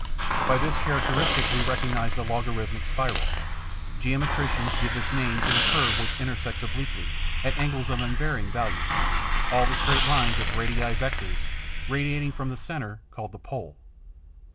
By this characteristic we recognize the 'logarithmic spiral.' Geometricians give this name to the curve which intersects obliquely, at angles of unvarying value, all the straight lines or 'radii vectores' radiating from a centre called the 'Pole.'